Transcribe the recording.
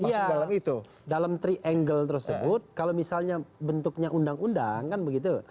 iya dalam triangle tersebut kalau misalnya bentuknya undang undang kan begitu